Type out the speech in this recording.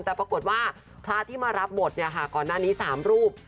แต่ปรากฏว่าพระที่มารับบทเนี่ยค่ะก่อนหน้านี้๓รูป